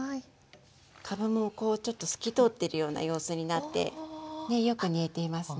かぶもこうちょっと透き通ってるような様子になってねよく煮えていますね。